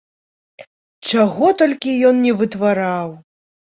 Чаго толькі ён не вытвараў!